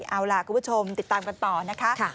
เอาล่ะคุณผู้ชมติดตามกันต่อนะคะ